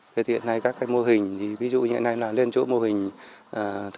với hiện nay các mô hình ví dụ như hiện nay là lên chỗ mô hình